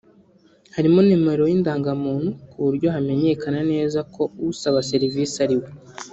harimo nimero y’indangamuntu ku buryo hamenyekana neza ko usaba serivise ari we